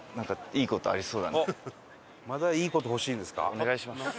お願いします。